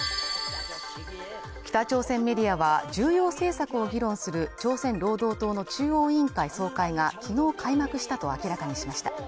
北朝鮮メディアは重要政策を議論する朝鮮労働党の中央委員会総会がきのう開幕したと明らかにしました